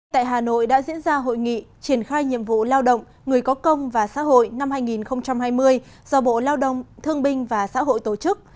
tại hà nội đã diễn ra hội nghị triển khai nhiệm vụ lao động người có công và xã hội năm hai nghìn hai mươi do bộ lao động thương binh và xã hội tổ chức